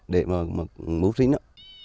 để mà bố trí nữa